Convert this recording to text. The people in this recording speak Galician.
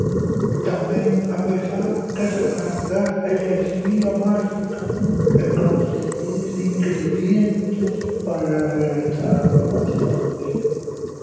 Tamén haberá que recargar enerxía máxica e conseguir ingredientes para realizar pocións.